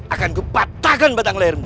akan kupatahkan batang layarmu